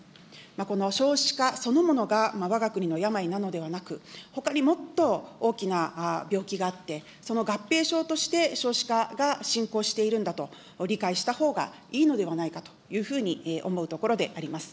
この少子化そのものがわが国の病なのではなく、ほかにもっと大きな病気があって、その合併症として少子化が進行しているんだと理解したほうがいいのではないかというふうに思うところであります。